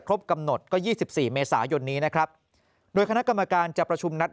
กำหนดก็๒๔เมษายนนี้นะครับโดยคณะกรรมการจะประชุมนัด